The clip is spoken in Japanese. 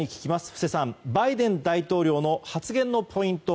布施さん、バイデン大統領の発言のポイント。